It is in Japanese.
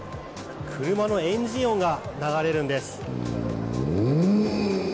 車のエンジン音が流れるんです。